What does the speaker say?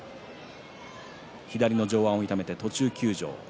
左の上腕を痛めて途中休場。